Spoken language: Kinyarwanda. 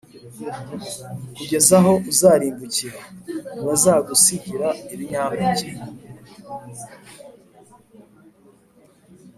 kugeza aho uzarimbukira.+ ntibazagusigira ibinyampeke,